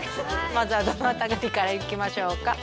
まずはどの辺りからいきましょうか？